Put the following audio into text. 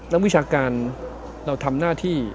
วิชาการเราทำหน้าที่